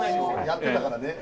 やってたからね。